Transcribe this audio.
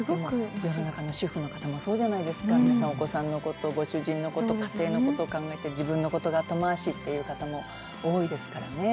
世の中の主婦の方もそうじゃないですか皆さん、お子さんのこと、ご主人のこと、家庭のことを考えて自分のことは後回しって方も多いですからね。